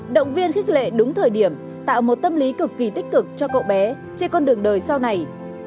động viên khích lệ đúng thời điểm tạo một tâm lý cực kỳ tích cực cho cậu bé trên con đường đời sau này